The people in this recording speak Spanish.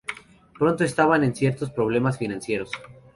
Pronto estaban en serios problemas financieros.